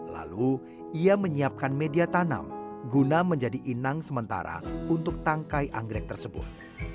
lalu ia menyiapkan media tanam guna menjadi inang sementara untuk tangkai anggrek tersebut